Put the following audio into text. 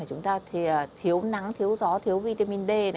chúng ta thiếu nắng thiếu gió thiếu vitamin d